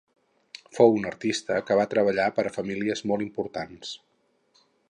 Fou un artista que va treballar per a famílies molt importants.